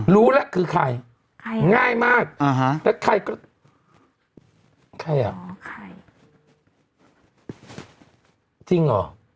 รู้แล้วคือใครง่ายมากแล้วใครก็ใครอ่ะจริงหรอ